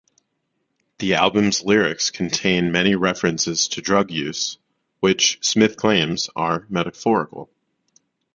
The album's lyrics contain many references to drug use, which Smith claims are metaphorical.